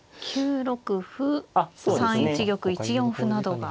９六歩３一玉１四歩などが。